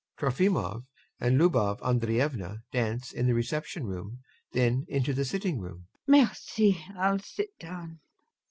] [TROFIMOV and LUBOV ANDREYEVNA dance in the reception room, then into the sitting room.] LUBOV. Merci. I'll sit down.